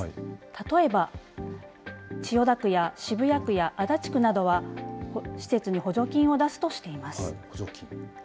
例えば、千代田区や渋谷区や足立区などは、施設に補助金を出すとしています。